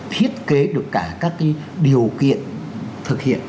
thiết kế được cả các điều kiện thực hiện